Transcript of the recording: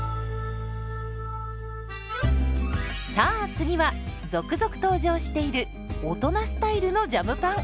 さあ次は続々登場している大人スタイルのジャムパン。